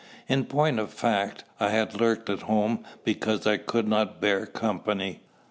In point of fact, I had lurked at home because I could not bear company.